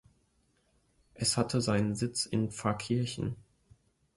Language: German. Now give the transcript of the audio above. Es hatte seinen Sitz in Pfarrkirchen.